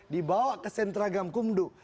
dibawa ke sentra gam kumdu